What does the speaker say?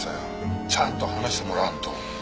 ちゃんと話してもらわんと。